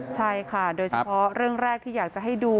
ใช่ค่ะโดยเฉพาะเรื่องแรกที่อยากจะให้ดู